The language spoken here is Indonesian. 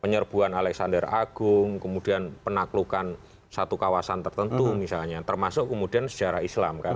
penyerbuan alexander agung kemudian penaklukan satu kawasan tertentu misalnya termasuk kemudian sejarah islam kan